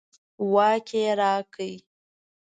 واک یې راکړ.